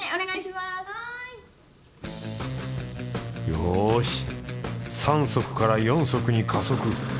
よし３速から４速に加速！